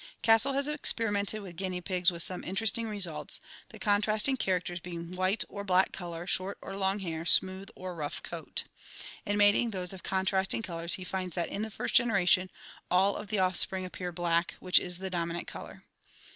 Castle has experimented with guinea pigs with some interesting results, the contrasting characters being white or black color, short or long hair, smooth or rough coat. In mating those of contrasting colors he finds that in the first generation all of the offspring appear black, which is the dominant color.